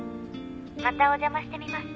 「またお邪魔してみます」